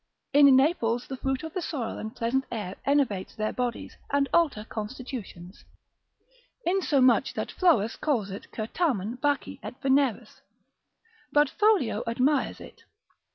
In Naples the fruit of the soil and pleasant air enervate their bodies, and alter constitutions: insomuch that Florus calls it Certamen Bacchi et Veneris, but Foliot admires it.